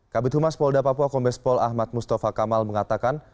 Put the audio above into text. kabupaten humas polda papua kombes pol ahmad mustafa kamal mengatakan